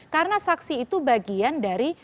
karena saksi itu bagian dari